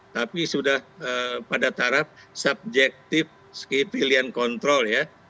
tapi sudah pada taraf subjektif civilian control ya